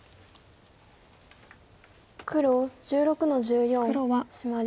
黒１６の十四シマリ。